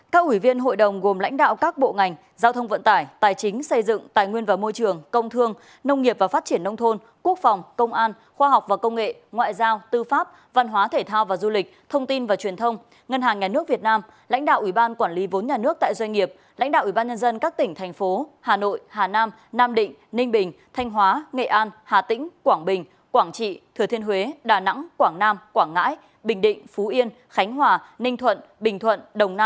các ủy viên hội đồng gồm lãnh đạo các bộ ngành giao thông vận tải tài chính xây dựng tài nguyên và môi trường công thương nông nghiệp và phát triển nông thôn quốc phòng công an khoa học và công nghệ ngoại giao tư pháp văn hóa thể thao và du lịch thông tin và truyền thông ngân hàng nhà nước việt nam lãnh đạo ủy ban quản lý vốn nhà nước tại doanh nghiệp lãnh đạo ủy ban nhân dân các tỉnh thành phố hà nội hà nam nam định ninh bình thanh hóa nghệ an hà tĩnh quảng bình quảng tr